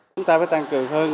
chúng ta phải tăng cường hơn